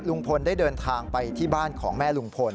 ลุงพลได้เดินทางไปที่บ้านของแม่ลุงพล